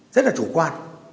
rất là chủ quan